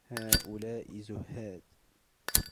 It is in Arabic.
هَؤُلَاءِ زُهَّادٌ